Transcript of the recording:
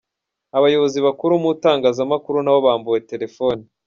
Abayobozi bakuru mu itangazamakuru nabo bambuwe “Telefoni”.